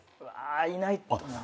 いないと。